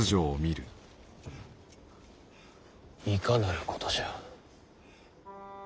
いかなることじゃ。